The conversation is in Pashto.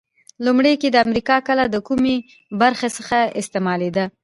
لومړیو کې د امریکا کلمه د کومې برخې ته استعمالیده؟